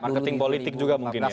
marketing politik juga mungkin ya